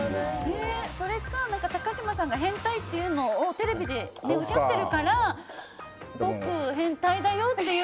それか高嶋さんが変態っていうのをテレビでおっしゃっているから僕も、変態だよっていう。